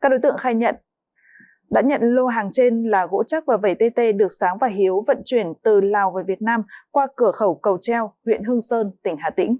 các đối tượng khai nhận đã nhận lô hàng trên là gỗ chắc và vẩy tê được sáng và hiếu vận chuyển từ lào về việt nam qua cửa khẩu cầu treo huyện hương sơn tỉnh hà tĩnh